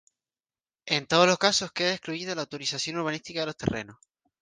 En todos los casos queda excluida la utilización urbanística de los terrenos.